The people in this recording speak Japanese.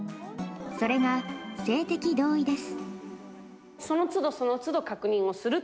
それが性的同意です。